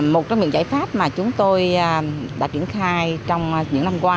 một trong những giải pháp mà chúng tôi đã triển khai trong những năm qua